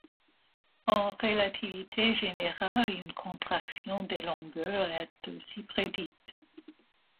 En relativité générale, une contraction des longueurs est aussi prédite.